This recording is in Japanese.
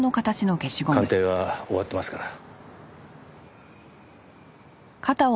鑑定は終わってますから。